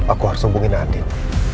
aku harus hubungi andien